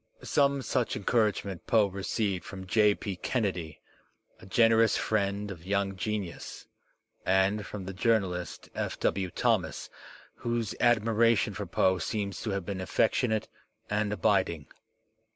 Some such encouragement Poe received from J. P. Kennedy, a generous friend of young genius, and from the journalist, F. W. Thomas, whose admiration for Poe seems to have been affectionate and abiding.